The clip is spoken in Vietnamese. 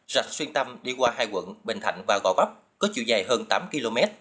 rạch xuyên tâm đi qua hai quận bình thạnh và gò vấp có chiều dài hơn tám km